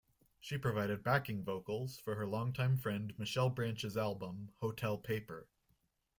She provided backing vocals for her long-time friend Michelle Branch's album, "Hotel Paper".